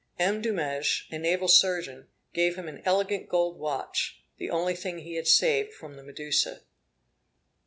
M. Dumege, a naval surgeon, gave him an elegant gold watch, the only thing he had saved from the Medusa.